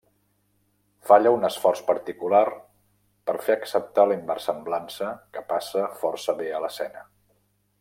Falla un esforç particular per fer acceptar la inversemblança que passa força bé a l'escena.